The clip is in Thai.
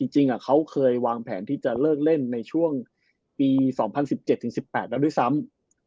จริงเขาเคยวางแผนที่จะเลิกเล่นในช่วงปี๒๐๑๗๑๘แล้วด้วยซ้ำ